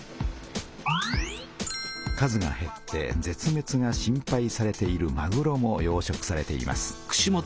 数がへって絶滅が心配されているまぐろも養殖されています。